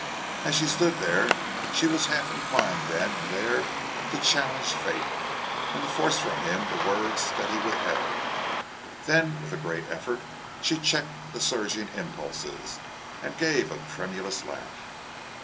As she stood there she was half inclined then and there to challenge fate, and to force from him the words that he withheld. Then, with a great effort, she checked the surging impulses, and gave a tremulous laugh.